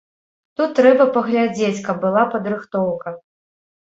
Тут трэба паглядзець, каб была падрыхтоўка.